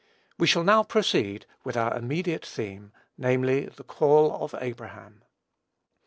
We shall now proceed with our immediate theme, namely, the call of Abraham.